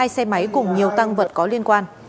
hai xe máy cùng nhiều tăng vật có liên quan